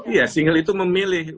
iya single itu memilih